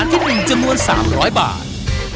นี่ซ้าย